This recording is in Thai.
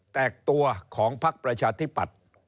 แตกตัวของพักประชาธิปัตย์